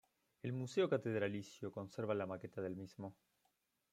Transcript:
El Museo Catedralicio conserva la maqueta del mismo.